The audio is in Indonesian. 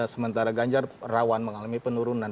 sementara ganjar rawan mengalami penurunan